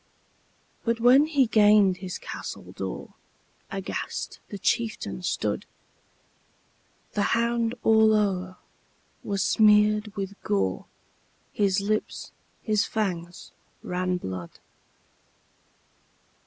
But, when he gained his castle door, Aghast the chieftain stood; The hound all o'er was smeared with gore, His lips, his fangs, ran blood.